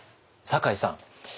酒井さん